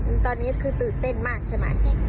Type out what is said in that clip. ตอนนี้คือตื่นเต้นมากใช่ไหม